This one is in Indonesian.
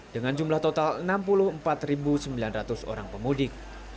dengan jumlah total enam puluh empat sembilan ratus orang pemudik